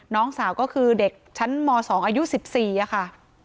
น้องสาวก็คือเด็กชั้นม๒อายุ๑๔ค่ะ